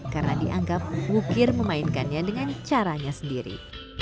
karena dianggap wukir memainkannya dengan caranya sendiri